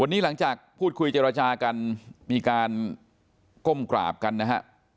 วันนี้หลังจากพูดคุยเจรจากันมีการก้มกราบกันนะฮะ